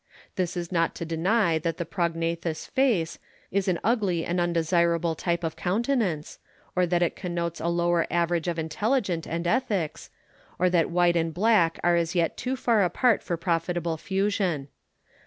This is not to deny that the prognathous face is an ugly and undesirable type of countenance or that it connotes a lower average of intellect and ethics, or that white and black are as yet too far apart for profitable fusion.